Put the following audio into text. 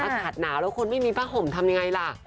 อากาศหนาวแล้วคนไม่มีผ้าห่มทำยังไงล่ะ